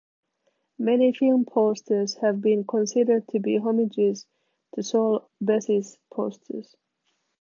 Many film posters have been considered to be homages to Saul Bass's posters.